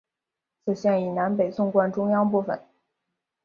此线以南北纵贯中央部分。